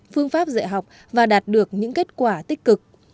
phương pháp dạy học và đạt được những kết quả tích cực